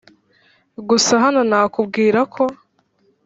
gusa hano nakubwira ko